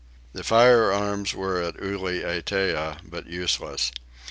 The firearms were at Ulietea but useless.